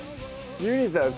ゆりさん